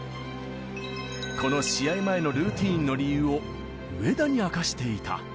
この試合前のルーティンの理由を上田に明かしていた。